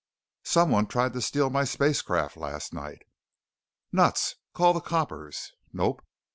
"Someone tried to steal my spacecraft last night." "Nuts. Call the coppers." "Nope.